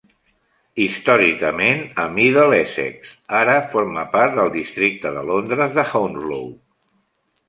Històricament a Middlesex, ara forma part del Districte de Londres de Hounslow.